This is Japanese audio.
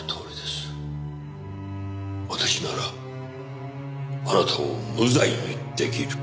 私ならあなたを無罪にできる。